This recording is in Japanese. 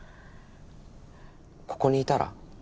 ここにいたら？